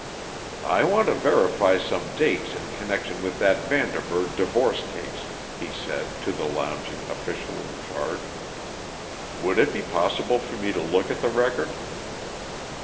"I want to verify some dates in connection with that Vanderburg divorce case," he said, to the lounging official in charge. "Would it be possible for me to look at the record?"